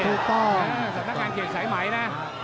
สำนักงานเขตสายไหมนะ